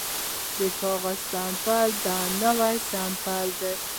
د کاغذ سپمول د ونو سپمول دي